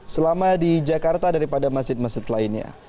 selama di jakarta daripada masjid masjid lainnya